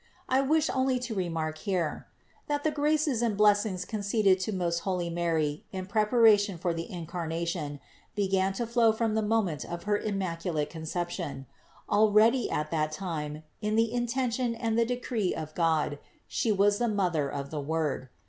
I wish only to remark here, that the graces and blessings conceded to most holy Mary in preparation for the Incarnation, began to flow from the moment of her Immaculate Conception; already at that time, in the intention and the decree of God, She was the Mother of the Word.